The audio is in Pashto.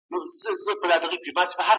زرغونه د ماشوم لپاره زړه راښکونکې ده.